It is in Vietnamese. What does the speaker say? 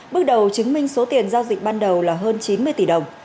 bước đầu chứng minh số tiền giao dịch ban đầu là hơn chín mươi tỷ đồng